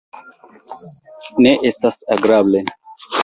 Ne estas agrable!